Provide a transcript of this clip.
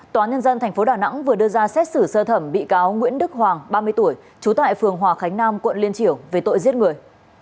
tòa nhân dân tp đà nẵng vừa đưa ra xét xử sơ thẩm bị cáo nguyễn đức hoàng ba mươi tuổi trú tại phường hòa khánh nam quận liên triểu về tội giết người